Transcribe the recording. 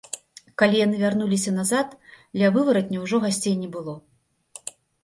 Калі яны вярнуліся назад, ля вываратня ўжо гасцей не было.